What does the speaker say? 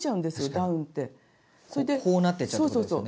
こうなってっちゃうってことですね。